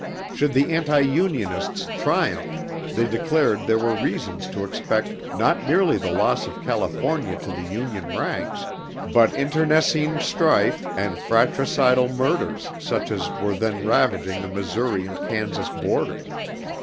Should the anti Unionists triumph, they declared there were reasons to expect not merely the loss of California to the Union ranks but internecine strife and fratricidal murders such as were then ravaging the Missouri and Kansas border.